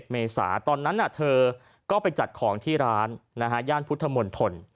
เมษาตอนนั้นเธอก็ไปจัดของที่ร้านย่านพุทธมนตร